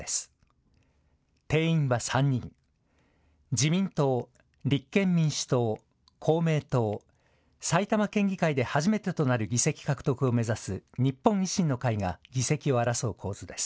自民党、立憲民主党、公明党、埼玉県議会で初めてとなる議席獲得を目指す日本維新の会が議席を争う構図です。